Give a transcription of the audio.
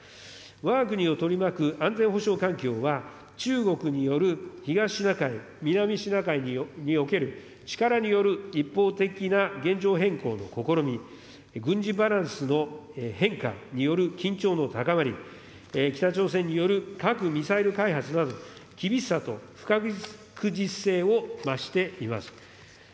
わが国を取り巻く安全保障環境は、中国による東シナ海、南シナ海における力による一方的な現状変更の試み、軍事バランスの変化による緊張の高まり、北朝鮮による核・ミサイル開発など、厳しさと不確実性を増しています。